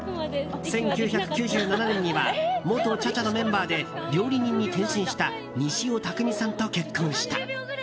１９９７年には元ＣＨＡ‐ＣＨＡのメンバーで料理人に転身した西尾拓美さんと結婚した。